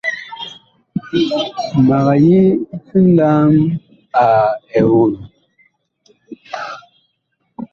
Mag yi nlaam a eon.